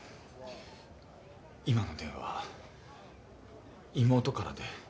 今の電話妹からで。